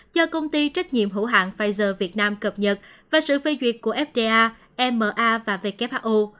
do công ty trách nhiệm hữu hạn pfizer việt nam cập nhật và sự phê duyệt của fda ema và who